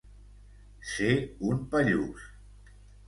Ser un pallús.